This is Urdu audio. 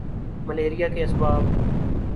ملیریا کے اسباب